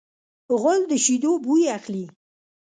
غول د شیدو بوی اخلي.